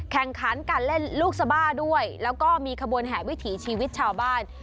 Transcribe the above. แข่งขันการเล่นลูกสบาด้วยแล้วก็มีขบวนแห่วิถีชีวิตชาวบ้าน